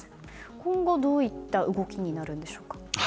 今後どういった動きになるのでしょうか。